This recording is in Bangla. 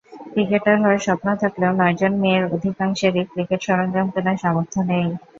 ক্রিকেটার হওয়ার স্বপ্ন থাকলেও নয়জন মেয়ের অধিকাংশেরই ক্রিকেট সরঞ্জাম কেনার সাধ্য-সামর্থ্য নেই।